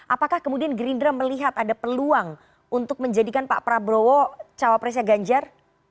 apakah kemudian gerindra melihat ada peluang untuk menjadikan pak prabowo cawapresnya ganjar